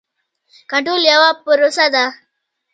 کنټرول یوه پروسه ده.